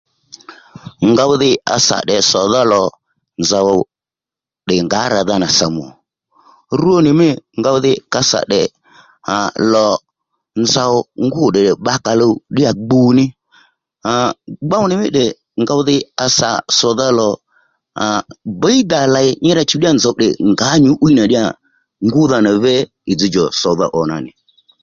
Ngòw dhì à sà tdè sòdha lò nzòw tdè ngǎ ràdha nà sòmù ò rwo nì mî ngòw dhì kà sà tdè à lò nzòw ngûw tdè bbakǎluw ddíyà gbu ní gbow ní mí tdè ngòw dhì à sà sòdha lò bíy dà lèy nyi rà chùw ddíyà nzòw tdè ngǎ nyǔ'wiy nà ngúdha vé ì dzzdjò sòdha ò nà nì